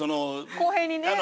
公平にね。